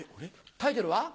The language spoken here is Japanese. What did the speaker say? タイトルは？